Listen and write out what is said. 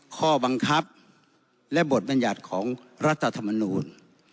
ข้อบังคับและบทบรรยัติของรัฐธรรมนูล